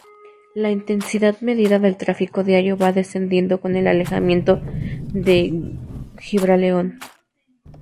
La intensidad media de tráfico diario va descendiendo con el alejamiento de Gibraleón.